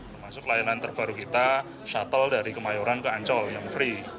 termasuk layanan terbaru kita shuttle dari kemayoran ke ancol yang free